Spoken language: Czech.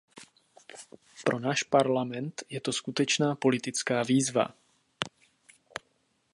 Pro náš Parlament je to skutečná politická výzva.